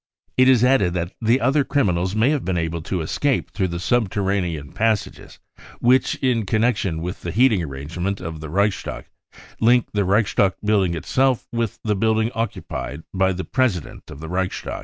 It is added sthat the other criminals may have been able to escape through the subterranean passages which, in connection with the heating arrangements of the Reichstag, link the Reichstag building itself with the building occupied by the President of the Reichstag.